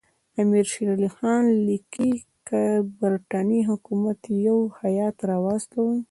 امیر شېر علي خان لیکي که د برټانیې حکومت یو هیات راواستوي.